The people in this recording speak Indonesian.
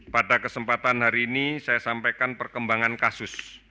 pada kesempatan hari ini saya sampaikan perkembangan kasus